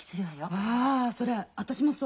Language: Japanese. あそれ私もそう。